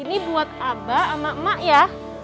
ini buat abah sama emak ya